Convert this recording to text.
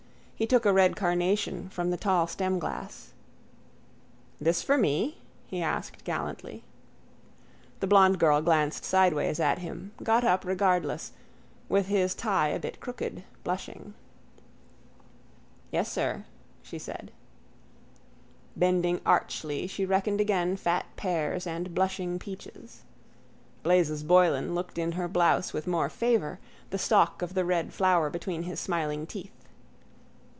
He took a red carnation from the tall stemglass. —This for me? he asked gallantly. The blond girl glanced sideways at him, got up regardless, with his tie a bit crooked, blushing. —Yes, sir, she said. Bending archly she reckoned again fat pears and blushing peaches. Blazes Boylan looked in her blouse with more favour, the stalk of the red flower between his smiling teeth.